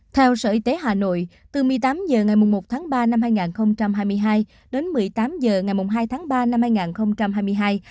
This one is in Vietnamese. theo sở y tế hà nội từ một mươi tám h ngày một ba hai nghìn hai mươi hai đến một mươi tám h ngày hai ba hai nghìn hai mươi hai